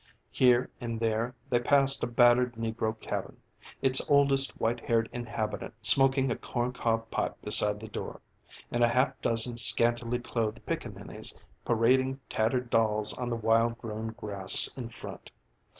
Here and there they passed a battered negro cabin, its oldest white haired inhabitant smoking a corncob pipe beside the door, and half a dozen scantily clothed pickaninnies parading tattered dolls on the wild grown grass in front.